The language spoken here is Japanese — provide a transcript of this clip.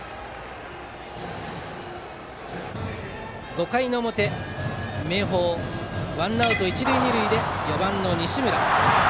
５回の表、明豊はワンアウト、一塁二塁で４番、西村。